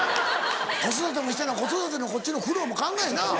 子育てもしたら子育てのこっちの苦労も考えなぁ。